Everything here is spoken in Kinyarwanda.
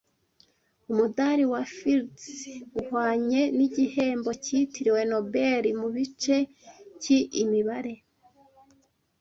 Umudari wa Fields uhwanye nigihembo cyitiriwe Nobel mubice ki Imibare